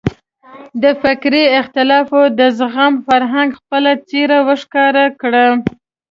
د فکري اختلاف د زغم فرهنګ خپله څېره وښکاره کړه.